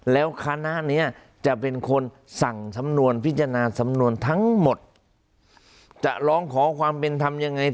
แล้วคณะนี้จะเป็นคนสั่งสำนวนพิจารณาสำนวนทั้งหมดจะร้องขอความเป็นธรรมยังไง